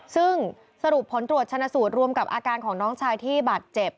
ซึ่งสรุปผลตรวจชนะสูตรรวมกับอาการของน้องชายที่บาดเจ็บ